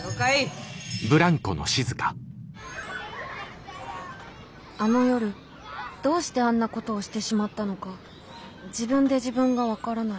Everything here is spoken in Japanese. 心の声あの夜どうしてあんなことをしてしまったのか自分で自分が分からない。